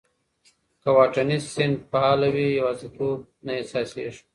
که واټني صنف فعال وي، یوازیتوب نه احساسېږي.